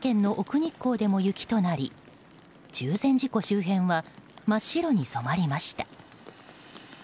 日光でも雪となり中禅寺湖周辺は真っ白に染まりました。